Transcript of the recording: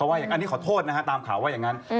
ว่าอย่างนี้ขอโทษนะฮะตามข่าวว่าอย่างนั้น